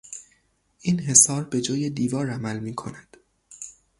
این حصار به جای دیوار عمل میکند.